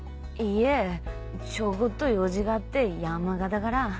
いいえちょごっと用事があって山形から。